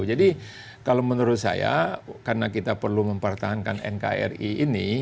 jadi kalau menurut saya karena kita perlu mempertahankan nkri ini